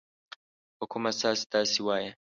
په کوم اساس داسي وایې ؟